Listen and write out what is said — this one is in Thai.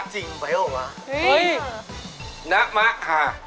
เฮ้ยนักมะค่ะ